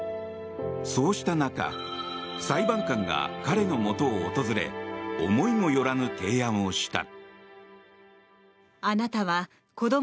そうした中、裁判官が彼のもとを訪れ思いもよらぬ提案をした。